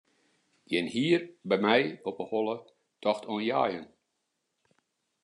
Gjin hier by my op 'e holle tocht oan jeien.